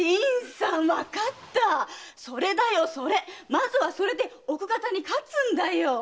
まずはそれで奥方に勝つんだよ！